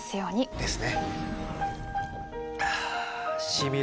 ですね。